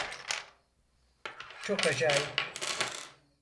Çok acayip.